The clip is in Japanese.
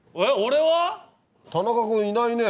田中君いないね。